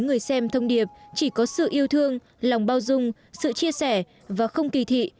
người xem thông điệp chỉ có sự yêu thương lòng bao dung sự chia sẻ và không kỳ thị